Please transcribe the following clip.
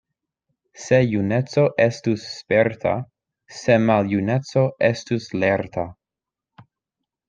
Se juneco estus sperta, se maljuneco estus lerta!